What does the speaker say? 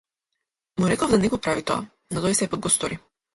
Му реков да не го прави тоа, но тој сепак го стори.